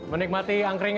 menikmati angkringan ini